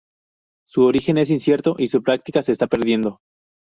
Su origen es incierto y su práctica se está perdiendo.